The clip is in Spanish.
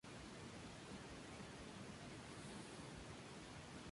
Su cabecera es Valle de Zaragoza.